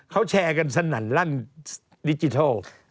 เขาแชร์กันสนั่นลั่นดิจิทัล